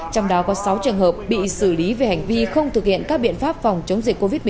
trong đó có sáu trường hợp bị xử lý về hành vi không thực hiện các biện pháp phòng chống dịch covid một mươi chín